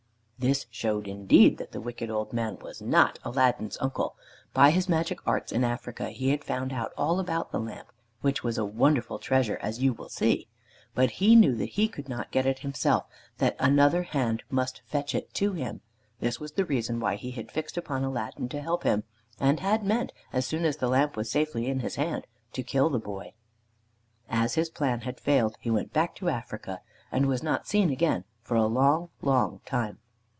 This showed indeed that the wicked old man was not Aladdin's uncle. By his magic arts in Africa he had found out all about the lamp, which was a wonderful treasure, as you will see. But he knew that he could not get it himself, that another hand must fetch it to him. This was the reason why he had fixed upon Aladdin to help him, and had meant, as soon as the lamp was safely in his hand, to kill the boy. As his plan had failed he went back to Africa, and was not seen again for a long, long time.